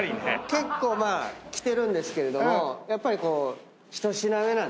結構きてるんですけれどもやっぱりこう。